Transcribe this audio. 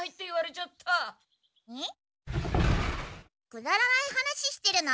くだらない話してるの？